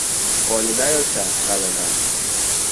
Kony dayo cha kalo ndara